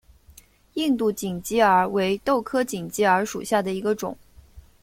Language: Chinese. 印度锦鸡儿为豆科锦鸡儿属下的一个种。